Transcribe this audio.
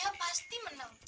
dia pasti menang